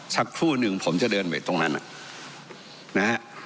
สักครู่หนึ่งผมจะเดินไปตรงนั้นนะฮะ